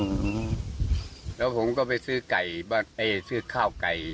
อืมแล้วผมก็ไปซื้อไก่ซื้อข้าวไก่